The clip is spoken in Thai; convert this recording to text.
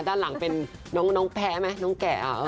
ด้านหลังเป็นน้องแพ้ไหมน้องแก่